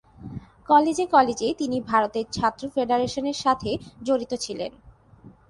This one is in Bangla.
কলেজ কলেজে তিনি ভারতের ছাত্র ফেডারেশনের সাথে জড়িত ছিলেন।